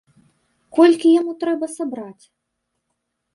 Колькі яму трэба сабраць?